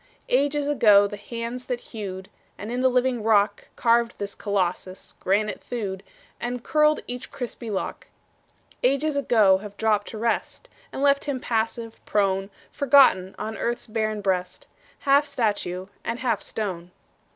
Ages ago the hands that hewed, And in the living rock Carved this Colossus, granite thewed And curled each crispy lock: Ages ago have dropped to rest And left him passive, prone, Forgotten on earth's barren breast, Half statue and half stone.